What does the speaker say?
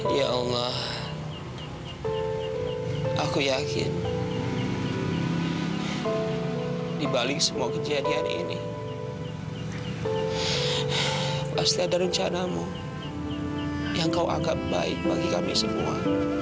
ya allah aku yakin dibalik semua kejadian ini pasti ada rencanamu yang kau agap baik bagi kami semua